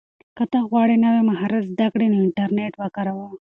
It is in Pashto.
که ته غواړې نوی مهارت زده کړې نو انټرنیټ وکاروه.